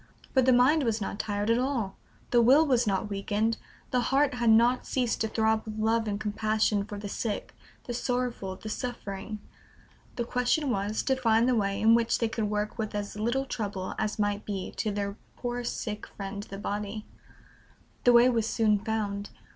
But the mind was not tired at all; the will was not weakened; the heart had not ceased to throb with love and compassion for the sick, the sorrowful, the suffering; the question was to find the way in which they could work with as little trouble as might be to their poor sick friend the body. The way was soon found.